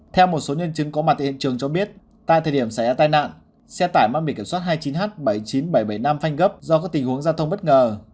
theo một số nhân chứng có mặt tại hiện trường cho biết tại thời điểm xảy ra tai nạn xe tải mang biển kiểm soát hai mươi chín h bảy mươi chín nghìn bảy trăm bảy mươi năm phanh gấp do các tình huống giao thông bất ngờ